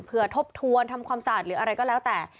เพื่อทบทวนทำความสะอาดหรืออะไรก็แล้วแต่